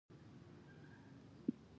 د کینو دانه د څه لپاره وکاروم؟